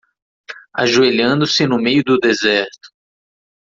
Ajoelhando-se no meio do deserto